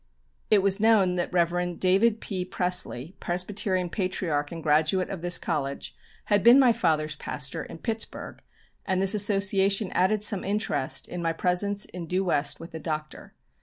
It was known that Rev. David P. Pressly, Presbyterian patriarch and graduate of this college, had been my father's pastor in Pittsburg, and this association added some interest to my presence in Due West with the Doctor.